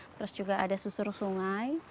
terus juga ada susur sungai